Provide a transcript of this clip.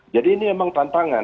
jadi ini memang tantangan